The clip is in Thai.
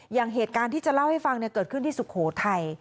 อย่างเหตุการณ์ที่จะเล่าให้ฟังเกิดขึ้นที่สุโขทัย